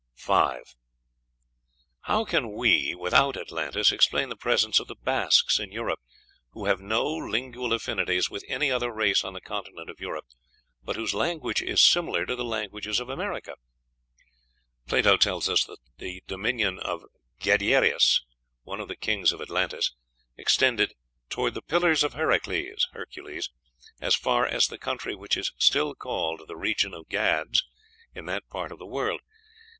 5. How can we, without Atlantis, explain the presence of the Basques in Europe, who have no lingual affinities with any other race on the continent of Europe, but whose language is similar to the languages of America? Plato tells us that the dominion of Gadeirus, one of the kings of Atlantis, extended "toward the pillars of Heracles (Hercules) as far as the country which is still called the region of Gades in that part of the world."